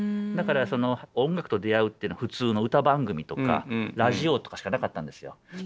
だからその音楽と出会うってのは普通の歌番組とかラジオとかしかなかったんですよ。